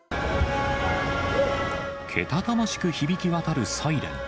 けたたましく響き渡るサイレン。